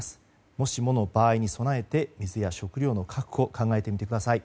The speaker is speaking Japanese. もしもの場合に備えて水や食料の確保、考えてみてください。